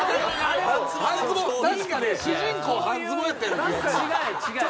確かね主人公半ズボンやったような気がするな。